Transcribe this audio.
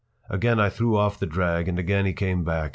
Again I threw off the drag and again he came back.